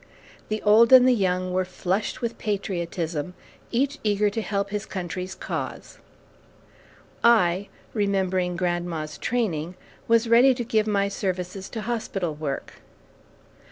The old and the young were flushed with patriotism, each eager to help his country's cause. I, remembering grandma's training, was ready to give my services to hospital work.